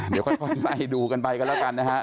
เดี๋ยวค่อยไล่ดูกันไปกันแล้วกันนะฮะ